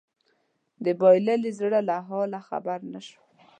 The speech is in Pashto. د بايللي زړه له حاله خبر نه شوم